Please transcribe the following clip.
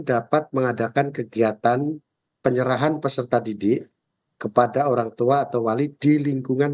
dapat mengadakan kegiatan penyerahan peserta didik kepada orang tua atau wali di lingkungan